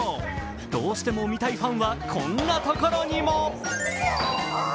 どうしても見たいファンはこんなところにも。